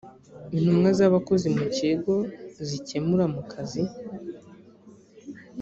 intumwa z’abakozi mu kigo zikemura mu kazi